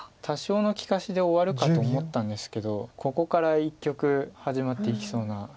多少の利かしで終わるかと思ったんですけどここから一局始まっていきそうな。